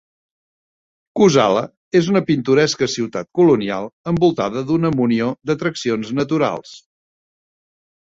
Cosala és una pintoresca ciutat colonial envoltada d'una munió d'atraccions naturals.